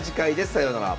さようなら。